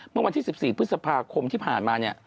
เมื่อวันที่๑๔พฤษภาคมที่ผ่านมาเนี่ย